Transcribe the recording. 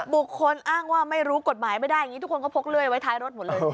บุคคลอ้างว่าไม่รู้กฎหมายไม่ได้อย่างนี้ทุกคนก็พกเลื่อยไว้ท้ายรถหมดเลย